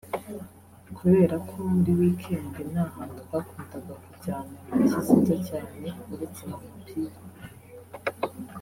Kubera ko muri weekend nta hantu twakundaga kujyana na Kizito cyane uretse mu mupira